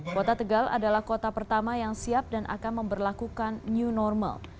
kota tegal adalah kota pertama yang siap dan akan memperlakukan new normal